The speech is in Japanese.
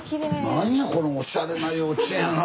なんやこのおしゃれな幼稚園やな